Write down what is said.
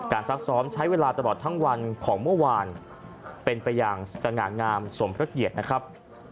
ซักซ้อมใช้เวลาตลอดทั้งวันของเมื่อวานเป็นไปอย่างสง่างามสมพระเกียรตินะครับ